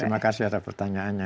terima kasih atas pertanyaannya